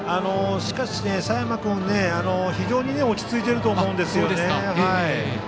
佐山君は非常に落ち着いていると思うんですよね。